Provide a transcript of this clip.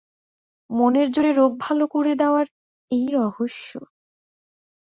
মনের জোরে রোগ ভাল করে দেওয়ার এই রহস্য।